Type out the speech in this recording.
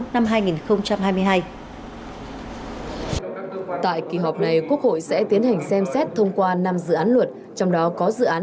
năm hai nghìn hai mươi hai tại kỳ họp này quốc hội sẽ tiến hành xem xét thông qua năm dự án luật trong đó có dự án